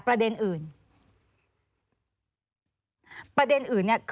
แต่ประเด็นอื่น